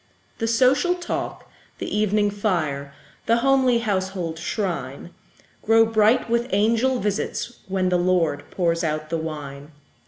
The social talk, the evening fire, The homely household shrine, Grow bright with angel visits, when The Lord pours out the wine.